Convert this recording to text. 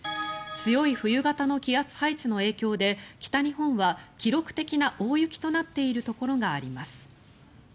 強い冬型の気圧配置の影響で北日本は記録的な大雪となっているところがあります。